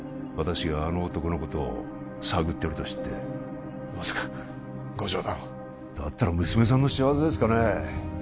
私があの男のことを探ってると知ってまさかご冗談をだったら娘さんの仕業ですかね？